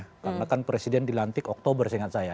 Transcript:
karena kan presiden dilantik oktober seingat saya